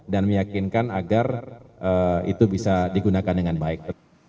dan meyakinkan agar itu bisa digunakan dengan baik